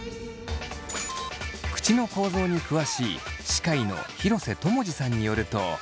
口の構造に詳しい歯科医の廣瀬知二さんによると。